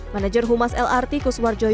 manager humas lrt kuswarjo